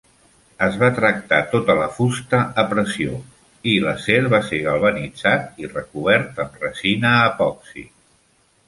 Es va tractar tota la fusta a pressió i l'acer va ser galvanitzat i recobert amb resina epoxi.